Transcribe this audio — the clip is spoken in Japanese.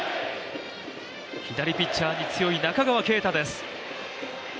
左ピッチャーに強い中川圭太です。